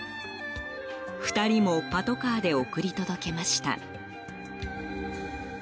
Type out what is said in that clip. ２人もパトカーで送り届けました。